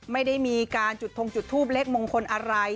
ไม่ได้มีการจุดทงจุดทูปเลขมงคลอะไร